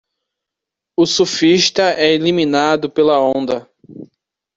O surfista é eliminado pela onda.